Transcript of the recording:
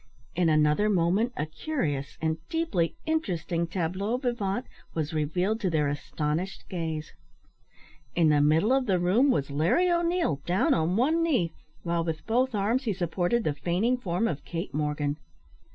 In another moment a curious and deeply interesting tableau vivant was revealed to their astonished gaze. In the middle of the room was Larry O'Neil, down on one knee, while with both arms he supported the fainting form of Kate Morgan.